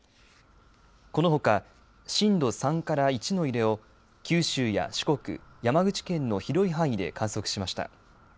このほか、震度３から１の揺れを九州や四国、山口県の広い範囲で観測しました。